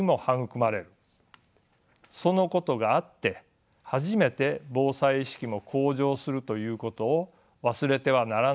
そのことがあって初めて防災意識も向上するということを忘れてはならないと思います。